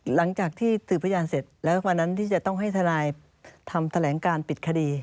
หลังจากที่สืบพยานเสร็จแล้ววันนั้นที่จะต้องให้ทนายทำแถลงการปิดคดี